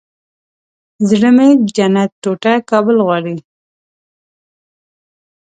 زړه مې جنت ټوټه کابل غواړي